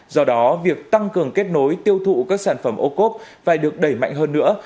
do đó việc tăng cường kết nối tiêu thụ các sản phẩm ô cốp phải được đẩy mạnh hơn nữa